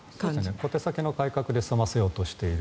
小手先の改革で済ませようとしている。